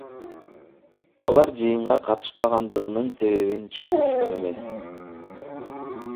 Алар жыйынга катышпагандырынын себебин түшүндүрүшкөн эмес.